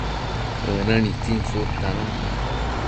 ënë nitsin sudcanun